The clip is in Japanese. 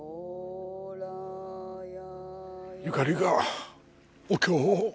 ゆかりがお経を？